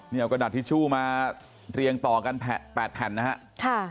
นี่เอากระดาษทิชชู่มาเรียงต่อกัน๘แผ่นนะครับ